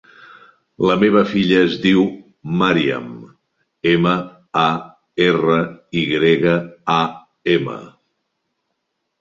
La meva filla es diu Maryam: ema, a, erra, i grega, a, ema.